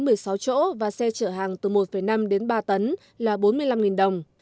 xe chở hàng từ một mươi đến một mươi sáu chỗ và xe chở hàng từ một năm đến ba tấn là bốn mươi năm đồng